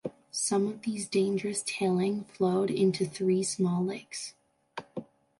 Some of these dangerous tailing flowed into three small lakes.